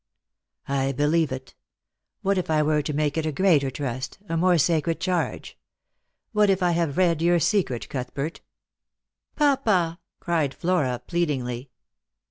'" I believe it. What if I were to make it a greater trust, a more sacred charge ? What if I have read your secret, CuthbertP" " Papa !" cried Flora pleadingly.